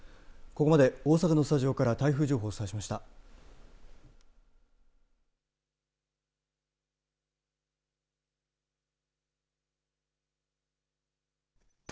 ここまで大阪のスタジオから台風情報をお伝えしました。